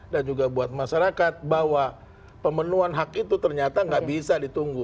dan juga buat masyarakat bahwa pemenuhan hak itu ternyata nggak bisa ditunggu